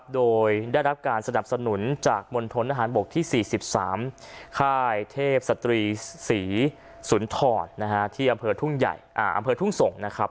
ได้รับการสนับสนุนจากมณฑลอาหารบกที่๔๓ค่ายเทพศตรีศรีศูนย์ถอดที่อำเภอทุ่งส่ง